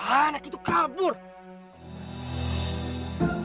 anak itu kabur